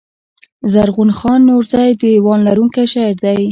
زرغون خان نورزى دېوان لرونکی شاعر دﺉ.